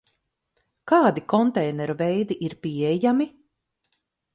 Kādi konteineru veidi ir pieejami?